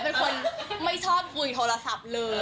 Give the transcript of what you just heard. เป็นคนไม่ชอบคุยโทรศัพท์เลย